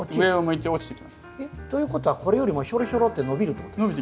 えっということはこれよりもヒョロヒョロって伸びるってことですか？